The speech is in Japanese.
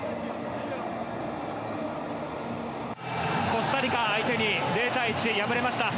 コスタリカ相手に０対１で敗れました。